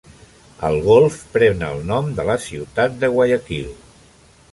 El golf pren el nom de la ciutat de Guayaquil.